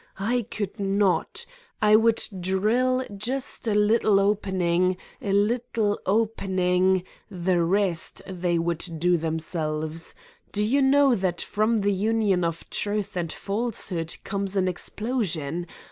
I could not! I would drill just a little opening, a little opening ... the rest they would do themselves. Do you know that from the union of truth and falsehood comes an explosion